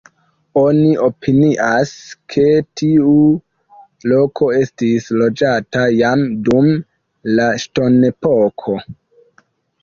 Oni opinias, ke tiu loko estis loĝata jam dum la ŝtonepoko.